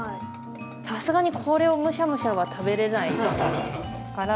さすがにこれをむしゃむしゃは食べれないから。